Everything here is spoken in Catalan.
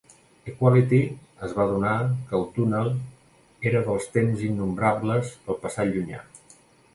Equality es va adonar que el túnel era dels Temps Innombrables del passat llunyà.